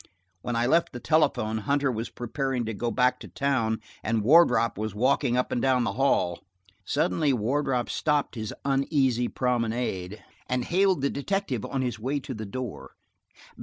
When I left the telephone, Hunter was preparing to go back to town and Wardrop was walking up and down the hall. Suddenly Wardrop stopped his uneasy promenade and hailed the detective on his way to the door.